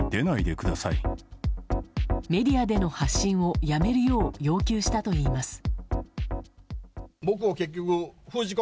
メディアでの発信をやめるよう要求したといいます。